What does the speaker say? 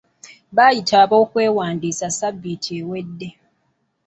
Baayita ab'okwewandiisa sabbiti ewedde.